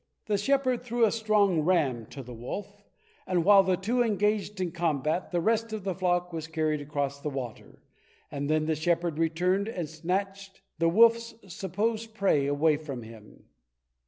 The shepherd threw a strong ram to the wolf, and while the two engaged in combat, the rest of the flock was carried across the water, and then the shepherd returned and snatch the wolf's supposed prey away from him.